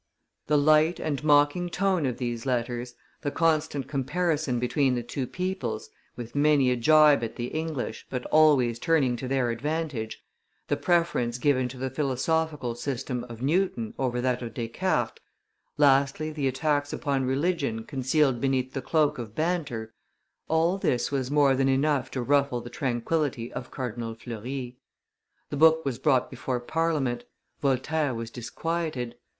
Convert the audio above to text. The light and mocking tone of these letters, the constant comparison between the two peoples, with many a gibe at the English, but always turning to their advantage, the preference given to the philosophical system of Newton over that of Descartes, lastly the attacks upon religion concealed beneath the cloak of banter all this was more than enough to ruffle the tranquillity of Cardinal Fleury. The book was brought before Parliament; Voltaire was disquieted.